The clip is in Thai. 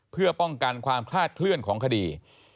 เพื่อป้องกันความคลาดเคลื่อนของคดี